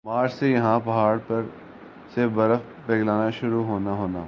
مارچ سے یَہاں پہاڑ پر سے برف پگھلنا شروع ہونا ہونا